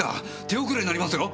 手遅れになりますよ。